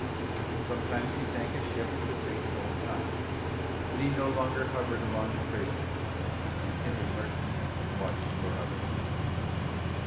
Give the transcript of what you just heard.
Sometimes he sank a ship for the sake of old times but he no longer hovered along the trade routes; and timid merchants watched for other men.